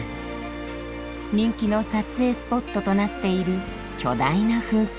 人気の撮影スポットとなっているきょだいな噴水。